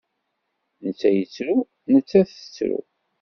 Netta yettru, nettat tettru.